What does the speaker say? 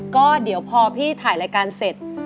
ก็เดี๋ยวพอพี่ถ่ายรายการเสร็จ